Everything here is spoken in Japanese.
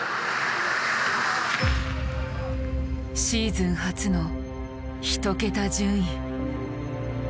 シーズン初の１桁順位。